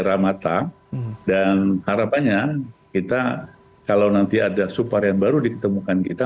daerah mata dan harapannya kita kalau nanti ada subvarian baru ditemukan kita